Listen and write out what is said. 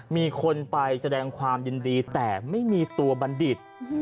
มีคนไปแสดงความยินดีแต่ไม่มีตัวบัณฑิต